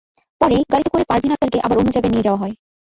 পরে গাড়িতে করে পারভীন আক্তারকে আবার অন্য জায়গায় নিয়ে যাওয়া হয়।